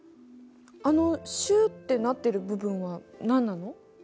あのシューってなってる部分は何なの？